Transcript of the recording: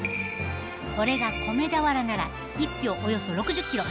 これが米俵なら１俵およそ６０キロ。